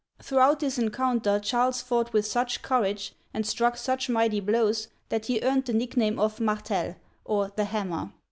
Throughout this encounter, Charles fought with such courage, and struck such mighty blows, that he earned the nickname of " Martel'," or " The Hammer."